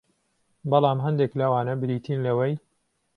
بەڵام هەندێک لەوانە بریتین لەوەی